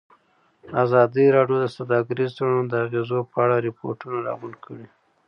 ازادي راډیو د سوداګریز تړونونه د اغېزو په اړه ریپوټونه راغونډ کړي.